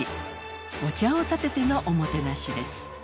お茶をたててのおもてなしです。